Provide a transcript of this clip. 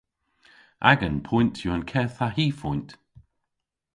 Agan poynt yw an keth ha hy foynt.